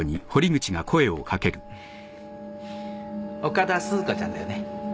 岡田鈴子ちゃんだよね？